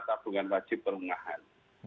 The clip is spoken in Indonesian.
tabungan wajib perumahan